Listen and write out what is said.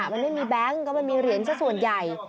มันไม่มีแบงค์ก็ไม่มีเหรียญสักส่วนใหญ่